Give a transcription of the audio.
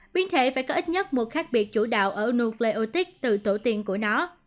biến thể phải có ít nhất một khác biệt chủ đạo ở nucleotide từ tổ tiên của nó